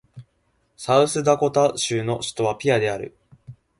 サウスダコタ州の州都はピアである